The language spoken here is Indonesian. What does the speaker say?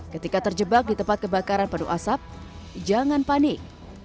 ketika terjebak di tempat kebakaran penuh asap jangan panik